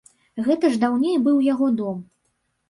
Гэта ж даўней быў яго дом.